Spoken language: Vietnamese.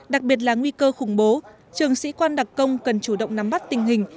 đặc biệt là nguy cơ khủng bố trường sĩ quan đặc công cần chủ động nắm bắt tình hình